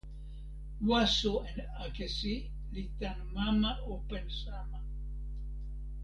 waso en akesi li tan mama open sama.